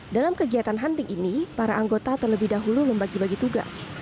dalam kegiatan hunting ini para anggota terlebih dahulu membagi bagi tugas